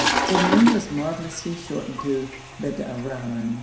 The name was marvellously shortened to B'd'rahman.